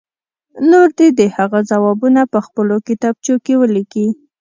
نور دې د هغو ځوابونه په خپلو کتابچو کې ولیکي.